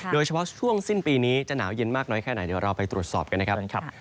โดยเฉพาะช่วงสิ้นปีนี้จะหนาวเย็นมากน้อยแค่ไหนเดี๋ยวเราไปตรวจสอบกันนะครับ